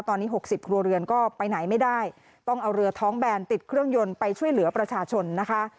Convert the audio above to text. ตอนนี้๖๐ครัวเรือนก็ไปไหนไม่ได้ต้องเอาเรือท้องแบนติดเครื่องยนต์ไปช่วยเหลือประชาชนนะคะ